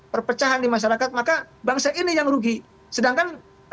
perpecahan di masyarakat maka bangsa ini yang rugi sedangkan